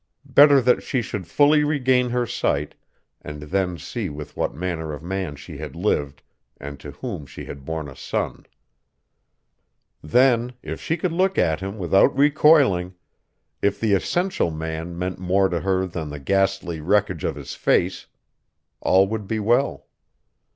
Better that she should fully regain her sight, and then see with what manner of man she had lived and to whom she had borne a son. Then if she could look at him without recoiling, if the essential man meant more to her than the ghastly wreckage of his face, all would be well.